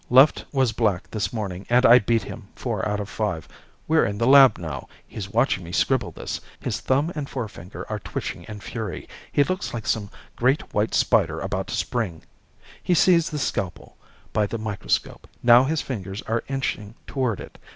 Left was black this morning and I beat him, four out of five. We're in the lab now. He's watching me scribble this. His thumb and forefinger are twitching in fury. He looks like some great white spider about to spring. He sees the scalpel, by the microscope. Now his fingers are inching toward it.